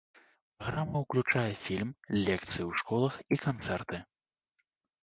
Праграма ўключае фільм, лекцыі ў школах і канцэрты.